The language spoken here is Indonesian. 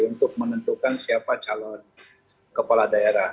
untuk menentukan siapa calon kepala daerah